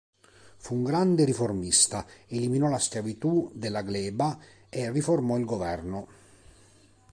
Fu un grande riformista: eliminò la schiavitù della gleba e riformò il governo.